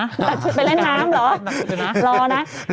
ตัดชุดไปเล่นน้ำหรอรอนะ